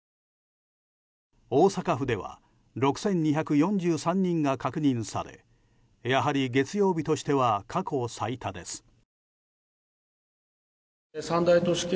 大阪府では６２４３人が確認されやはり月曜日としては過去最多です。